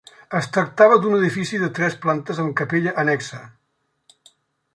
Es tractava d'un edifici de tres plantes amb capella annexa.